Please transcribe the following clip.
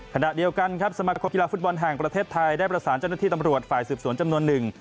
ขณะเดียวกันครับสมาคมกีฬาฟุตบอลแห่งประเทศไทยได้ประสานเจ้าหน้าที่ตำรวจฝ่ายสืบสวนจำนวนหนึ่ง